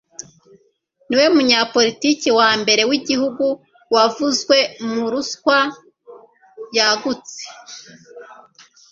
Niwe munyapolitiki wa mbere wigihugu wavuzwe mu ruswa yagutse